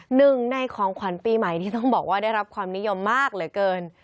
หนึ่งในของขวัญปีใหม่ที่ต้องบอกว่าได้รับความนิยมมากเหลือเกิน